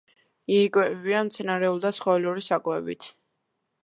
იკვებებიან მცენარეული და ცხოველური საკვებით.